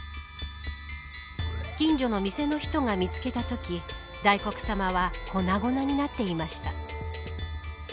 近所の店の人が見つけたとき大黒様は粉々になっていました。